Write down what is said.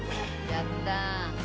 やったー！